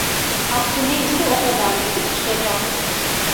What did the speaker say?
Hakkı ne ise o kadar yatıp çıkacaktı.